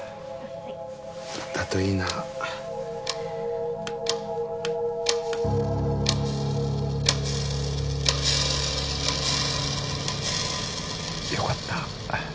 はいだといいなよかった